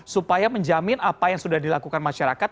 supaya menjamin apa yang sudah dilakukan masyarakat